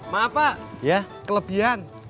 maaf pak kelebihan